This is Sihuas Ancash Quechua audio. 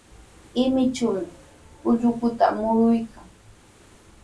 Imichumi ullukuta muruykan.